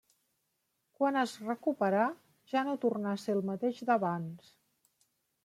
Quan es recuperà ja no tornà a ser el mateix d'abans.